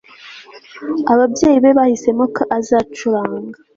Ababyeyi be bahisemo ko azacuranga